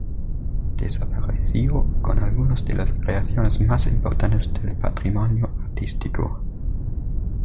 Desapareció con algunas de las creaciones más importantes del patrimonio artístico.